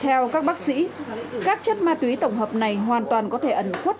theo các bác sĩ các chất ma túy tổng hợp này hoàn toàn có thể ẩn khuất